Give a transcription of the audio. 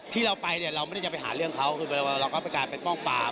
ที่เราไปเนี่ยเราไม่ได้จะไปหาเรื่องเขาคือเราก็ไปกลายเป็นป้องปราม